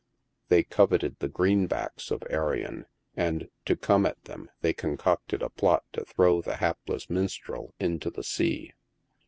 They coveted the greenbacks of Arion, and, to come at them, they concocted a plot to throw that hapless minstrel into the sea.